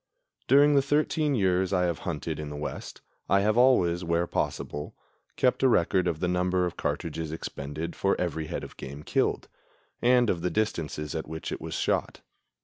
During the thirteen years I have hunted in the West I have always, where possible, kept a record of the number of cartridges expended for every head of game killed, and of the distances at which it was shot.